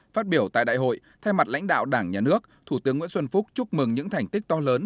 phát biểu tại đại hội thay mặt lãnh đạo đảng nhà nước thủ tướng nguyễn xuân phúc chúc mừng những thành tích to lớn